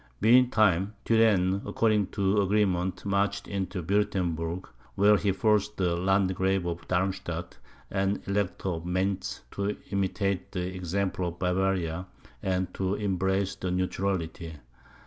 Meantime, Turenne, according to agreement, marched into Wuertemberg, where he forced the Landgrave of Darmstadt and the Elector of Mentz to imitate the example of Bavaria, and to embrace the neutrality.